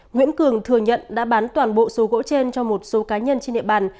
nguyễn cường thừa nhận đã bán toàn bộ số gỗ trên cho một số cá nhân trên địa bàn